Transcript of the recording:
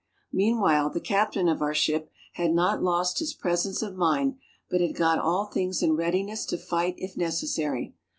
Mean while, the captain of our ship had not lost his presence of mind, but had got all things in readiness to fight if necessary.